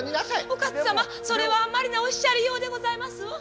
お勝様それはあんまりなおっしゃりようでございますわ。